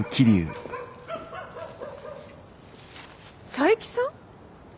佐伯さん？